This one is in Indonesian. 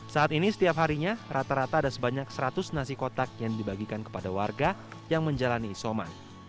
saat ini setiap harinya rata rata ada sebanyak seratus nasi kotak yang dibagikan kepada warga yang menjalani isoman